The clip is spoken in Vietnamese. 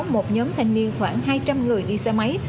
một nhóm thanh niên khoảng hai trăm linh người đi xe máy